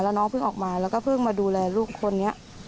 แล้วน้องเพิ่งออกมาแล้วก็เพิ่งมาดูแลลูกคนนี้